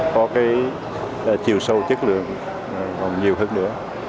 có cái chiều sâu chất lượng còn nhiều hơn nữa